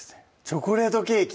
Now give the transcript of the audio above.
チョコレートケーキ！